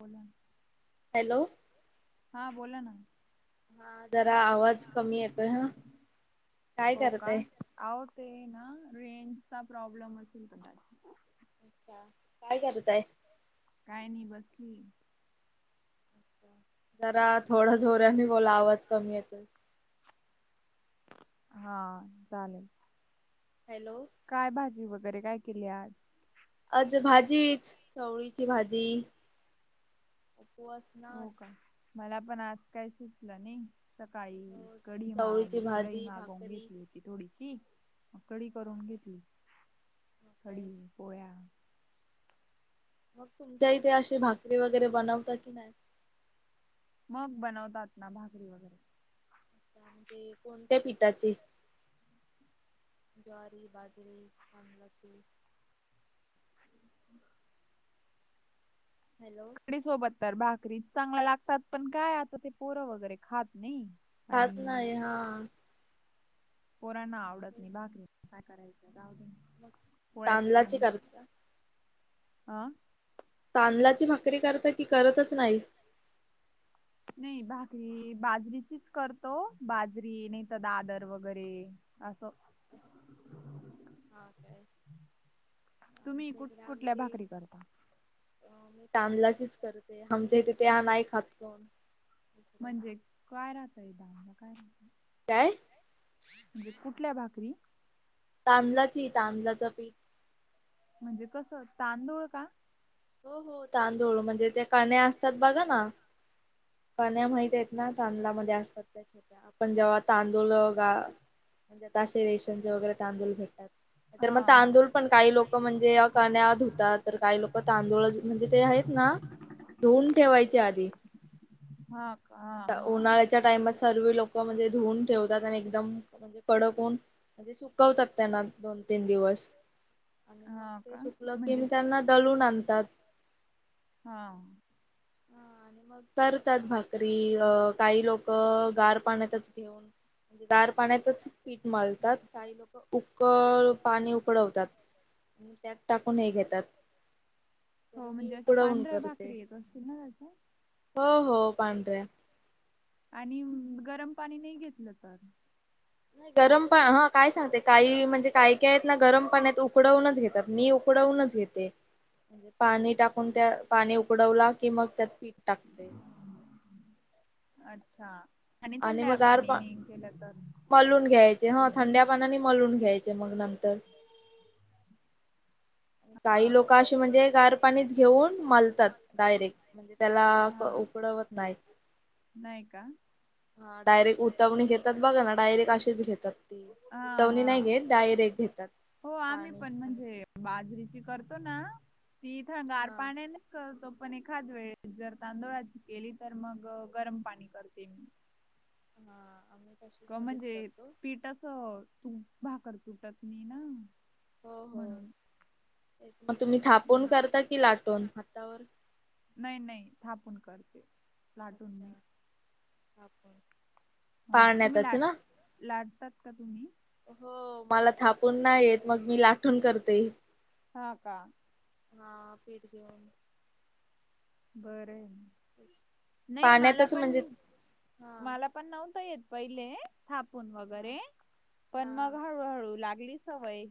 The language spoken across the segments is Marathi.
बोला, हॅलो हा बोला ना हा जरा आवाज कमी येतोय हा काय करताय? अहो ते ना रेंजचा प्रॉब्लेम असेल कदाच अच्छा काय करताय? काय नाही बसली. जरा थोडा झोर्यानी बोला आवाज कमी येतो. हा चालेल. हॅलो. काय भाजी वगैरे काय केली आज. अज भाजीच चवळीची भाजी उपवास ना हो आज का मला पण आज काय सुटलं नाही. सकाळी हो कढमा चवळीची म दही भाजी मागवून भाकरी घेतली होती थोडीशी मग कडी हा करून तेच घेतली मग कढ काय. पोळ्या. मग तुमच्या इथे अशी भाकरी वगैरे बनवता की नाही. मग बनवतात ना भाकरी वगैरे अच्छा, म्हणजे कोणत्या पीठाचे ज्वारी बाजरी कमलचीू ह. हॅलो. कढी सोबत तर भाकरी चांगला लागतात पण काय आता ते पोरं वगैरे खात नाही. खात आणि नाही हा. पोरांना आवडत नाही बाकरी काय करायच जाव. मग पळ्याच तांदलाची करून करता अं. तांदळाची भाकरी करत की करतच नाही. नाही भाकरी बाजरीचीच करतो बाजरी नाही तरर दादर वगैरे अससं. [unintelligible] तुम्ही आमच्या कुठ इकडे कुठल्या भाकरी करता. ी तांदलाच करते आमच्या तिथे हा नाही खातकण म्हणजे काय राहतायदा आमला काय राहत. काय? म्हणजे कुठल्या भाकरी तांदलाची तांदलाच पीठ म्हणजे कसं तांदूळ का? हो हो तांदोळू म्हणजे ते काण्या असतात बघा ना. कण्या माहित आहेत ना तांदलामध्येध्ये असतात त्या छोट्या. पण जेव्हा तांदूळ गा म्हणज ते रेशनचे वगैरे तांदूळ भेटतात. तर हा मग हा तांदूळ हा पण काही लोक म्हणजे अ काण्यात धुतात तर काही लोक प तांदूळा म्हणजे ते आहेत ना धुऊून ठेवायचे आधी हा का हा. आता उन्हाळ्याच्या टाइमात सर्व लोक म्हणजे धुऊन ठेवतात आणि एकदम म्हणजे कडक होन. म्हणजे सुकवतात त्यांना दोन तीन दिवस आणि मग हा ते का सुकलं की म्हणजे मी स- त्यांना दलून आणतात. हा. हा आणि मग करतात भाकरी अ काही लोक गार पाण्यातच घेऊन. दार पाण्यातच पीठ माळतात का? लोक उकळ पाणी उकडवतात आणि त्यात टाकून हे घेतात. तर हो मी म्हणजे अशा उकडवून पांढऱ्या भाकरी येत असतील ना त्याचा हो-हो पांढऱ्या आणि गरम पाणी नाही घेतलं चाललं. नाही गरम पाण ह काय सांगते काही म्हणजे काय काय आहेत ना गरम पाण आहेत उकडवूनच घेतात. मी उकडवूनच घेते म्हे पाणी टाक. त्या पाणी उकडवला की मग त्यात पीठ टाकते. अच्छा. आणि मग थंड्या गार पा पाणीने केलं तर मलून घ्यायचे ह थंड्या पानाने मलून घ्यायचे मग नंतर हा काही लोक असे म्हणजे गार पाणीच घेऊन मालतात डायरेक्ट म्हणजे त्याला डायरेक्ट हा उकडवत नाहीत. नाही का? हा डायरेक्ट उतावणी घेतात बघा ना डायरेक्ट अशीच घेतात ती. हा उतवणी नाही हा घेत डायरेक्ट घेतात हो आम्ही पाणी पण आणि ते म्हणजे बाजरीची करतो ना ती इथं गार हा पाण्याने करतो पण एखाद वेळेस जर तांदुळाची केली तर मग गरम पाणी करते मी. हा अमित. क म्हणजे पीठ अस तू भाकर तुटत नाही ना हो-हो म्हणून. मग तुम्ही थापून करता की लाटून हातावर? नय -नय थापून करते लाटून नाही. अच्छा थापून हो तुम्ही पाळण्यातच लाट ना लाटतात का? तुम्ही हो मला थापून नाही येत मग मी लाठून करते. हा का. हा पीठ घेवून बरय नाही मला पाण्यातच पण म्हणजे हा मला पण पण नव्हत येत पहिले थापून हा वगैरे पण मग हा. हळूहळू लागली सवई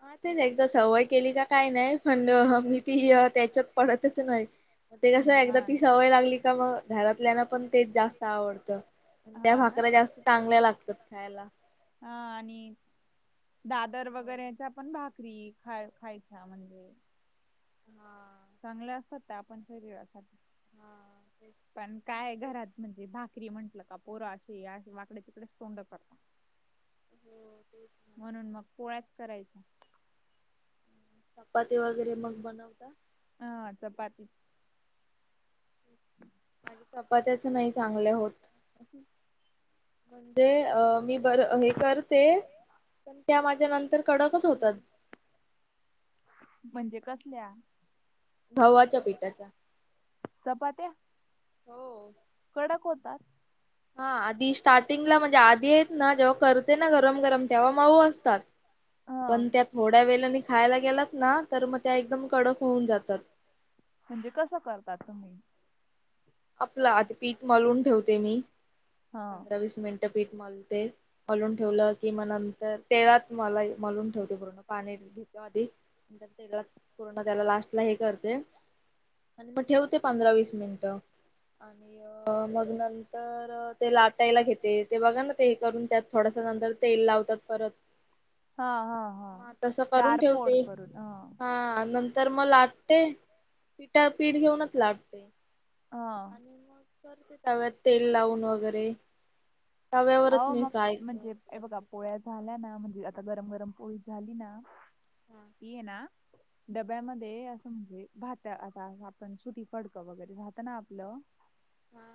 हा तेच एकदा सवय केली का काही नाही पण मी ह ती त्याच्यात पडतच नाही. मग ते कसं हं, एकदा हा. ती सवय लागली का मग घरातल्याना पण तेच जास्त आवडतं. त्या हा ना भाकऱ्या जास्त चांगल्या लागतात खायला. हा आणि दादर वगैरेच्या पण भाकरी खा खायच्या म्हणजे. हा चांगलं असतात त्या पण शरीसाठी हा तेच पण काय ते घरात म्हणजे भाकरी म्हटल का पोरा आशी-आशी वाकडे तिकडेच तोंड करता. हो तेच ना. म्हणून मग पोळ्याच करायच्या चपाती वगैरे मग बनवता. हा चपाती.. ठु माझे चपात्याच नाही चांगले होत. म्हणजे अ मी बर हे करते पण त्या माझ्या नंतर कडकच होतात. म्हणजे कसल्या? गव्हाच्या पिठाच्या चपात्या हो कडक होतात. हा आधी स्टार्टिंगला म्हणजे आधी आहेत ना जेव्हा करते ना गरम-गरम तेव्हा माऊ असतात हा पण त्या थोड्या वेलाने खायला गेलात ना तर मग त्या एकदम कडक होऊन जातात. म्हणजे कसं करताात तुम्ही? आपलं आता पीक मलून ठेवते मी हा पंधरा वीस मिनिट ते पीठ मलते मलून ठेवलं की मग नंतर तेळात मला मलून ठेवते पूर्ण पाणी--ते त्यो अधिक नंतर तेलात पूर्ण त्याला लास्टला हे करते आणि मग ठेवते पंधरा वीस मिनिटं आणि मग नंतर ते लाटायला घेते ते बघा ना, ते हे करून त्यात थोडस नंतर तेल लावतात, परत हा हा हा तस करून चार फोड ठेवते, करून ह हा नंतर म लाट पीठावर पीठ घेऊनच लाटते. अं. आणि मग तव्यात तेल लावून वगैरे तव्यावरच आवो, मी मग फ्राय म्हणजे हे बघा करते पोळ्या झाल्या ना, म्हणजे आता गरम गरम पोळी झाली ना हा ते ना. डब्यामध्ये असं म्हणजे भात आता आपण सुती फडकं वगैरे राहत ना आपलं हा.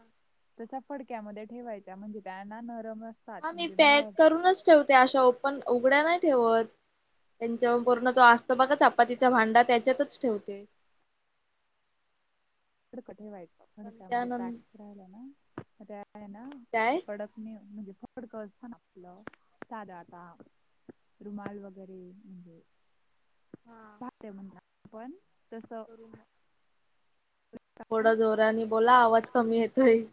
तर त्या फडक्यामध्ये ठेवायच्या, म्हणजे काय हाय ना नरम असतात हा मी म्हणजे पॅक बाहेर करूनच ठेवते, अशा ओपन उघड्या नाही ठेवत. त्यांच्यावर पूर्ण तो असतो बघा, चपातीचा भांडा त्याच्यातच ठेवते. तर कठीण व्हायचं. पण फडक्यामध्ये पॅक त्यानंत राहिलं ना, ते हाय ना काय कडक नाई होत म्हणजे फडक असत ना, आपलं साध आता रुमाल वगैरे म्हणजे हा पातळ म्हणा तस [inaudible] थोड जोरानी बोला आवाज कमी येतोय.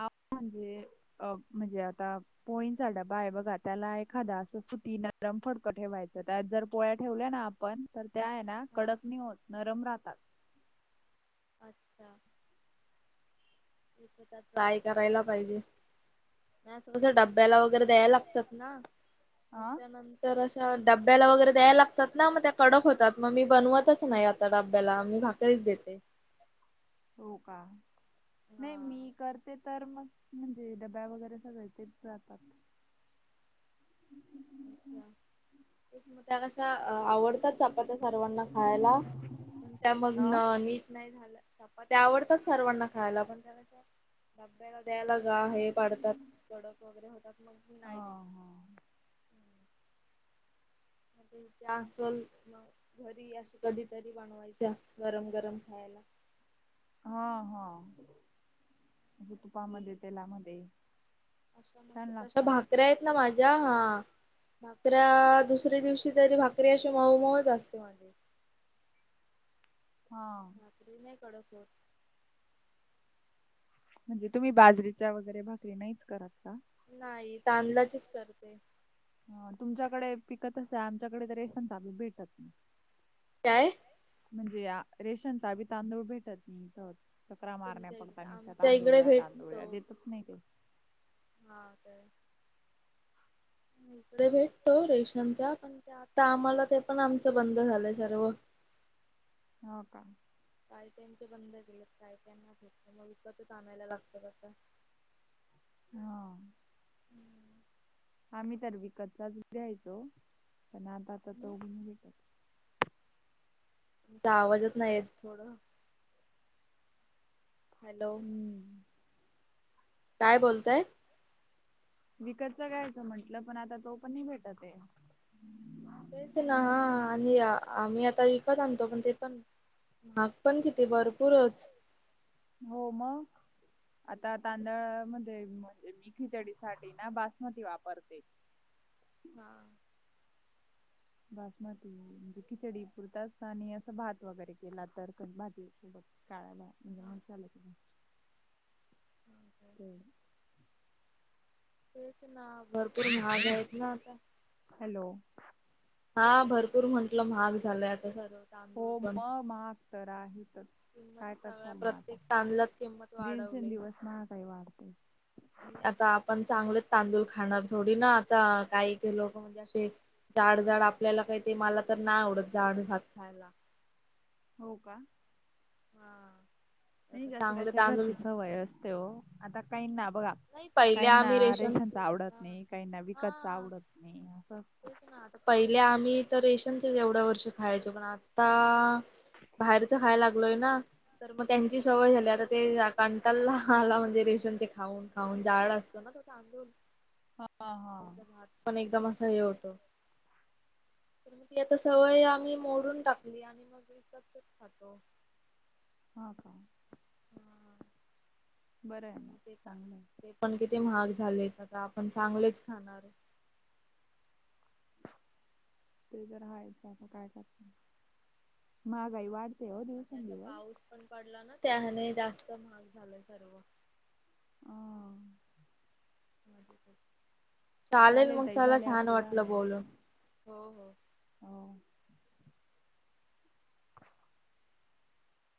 आओ म्हणजे अ म्हणजे आता पोळीचा डबा हाय बघा, त्याला एखादा असं सुती नरम फडक ठेवायचं त्यात जर पोळ्या ठेवल्या ना आपण, तर त्या आहे ना हा कडक नाही होत नरम राहतात. अच्छा. एकदा ट्राय करायला पाहिजे, नाही असल सोडा डब्याला वगैरे दयाय लागतात ना, मग हा त्या नंतर तर अशा डब्याला वगैरे द्याय लागतात ना, म त्या कडक होतात, मग मी बनवतच नाही आता डब्याला मी भाकरी तरीच देते. हो का? नाही हा. मी कर ते तर मग म्हणजे डब्या वगैरे सगळ तेच जातात. ते मग त्या कशा आवडतात? चपात्या सर्वांना खायला. पन त्या मग आ न नीट नाही झालं, ते चपात्या आवडतात सर्वांना खायला पण, त्याला काय डब्याला द्यायला गार हे पडतात, कडक वगैरे होतात, मग मी ह नाही देत. त्या आसल मग. घरी अस कधीतरी, बनवायच्या गरम गरम खायाला. हा हा. म्हणजे तुपामध्ये, तेलामध्ये अ अशा म्हणजे छान तशा लागतात भाकऱ्या आहेत ना माझ्या हा भाकऱ्या दुसऱ्या दिवशी तरी, भाकरी अशी मऊ मऊच असते माझी हा. भाकरी नाही कडक होत. म्हणजे तुम्ही बाजरीच्या वगैरे भाकरी नाहीच करत का? नाही तांदलाचीच करते. तुमच्याकडे पिकत अशे आमच्याकडे तर रेशन तांदूळ भेटतात. काय? म्हणजे आ रेशनचा बी तांदूळ भेटती इथ. चक्रा मारण्या तुमच्या पडता इकडे नि आमच्या तांदूळ इकडे द्या, तांदूळ भेटतो द्या देतच नाही तो. हा काय? म्हणजे भेटतो रेशनचा पण आता, आम्हाला ते पण आमचं बंद झालंय सर्व. हा का? कायी त्यांचे बंद केलेत, कायी त्यांना भेटत मग, विकतच आणायला लागतात आता. हा. आम्ही तर विकतचाच घ्यायचो, पण आता आता तो बी नाही भेटत. आवाजच नाही येत थोडं हॅलो हम्म. काय बोलताय विकतच कायचं म्हंटलं पण आता तो पण नाही भेटत ए तेच ना आणि आम्ही आता विकत आणतो पण ते पण पण किती [unintelligible] हो मग आता तांदळ म [unintelligible] खिचडी साठी ना बासमती वापरते [unintelligible] बासमती म्हणजे खिचडी पुरताच आणि असं भात वगैरे केला तर [unintelligible] सोबत हा [unintelligible] तेच ना भरपूर महाग आहेत ना आता हॅलो हा भरपूर म्हंटलं महाग झालंय आता सगळं हो मग महाग तर आहेतच किंमत काय सगळ्या करताल म आता प्रत्येक तांदलात किंमत वाढवली दिवसेंदिवस ना काही वाढते आता आपण चांगलच तांदूळ खाणार थोडी ना आता काही काही लोक म्हणजे असे जाड जाड आपल्याला काही ते मला तर नाय आवडत जाड भात खायला हो का हा नाही ज्याच्या चांगले त्याच्या तांदूळ घरची सवय असते ओ आता काही ना बघा नाही पहिले काहीना आम्ही रेशन रेशनचा आवडत हा नाही काहीना विकतच हा आवडत नाही असं तेच ना पहिले आम्ही तर रेशनचच एवढ्या वर्ष खायचो पण आता बाहेरच खायला लागलोय ना तर मग त्यांची सवय झाली आता ते कांटाला आला म्हणजे रेशनचे खाऊन खाऊन जाड असतो ना तो तांदूळ हा हा पण एकदम असं हे होतं ती आता सवय आम्ही मोडून टाकली आणि [unintelligible] मग विकतच खातो हा का [unintelligible] बरं आहे म आणि मग ते चांगलंय ते पण किती महाग झाले आता आपण चांगलेच खाणार ते तर हायचं आता काय करनार महागाई वाढ तेव आणि आता दिवसंदिव पाऊस पडला ना त्याने जास्त महाग झाला सर्व ह चालेल मग ताई चला झाले छान आपले दहा वाटलं मिनिट बोलून हो हो. हो [unintelligible]